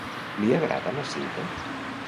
Li agrada la Cinta?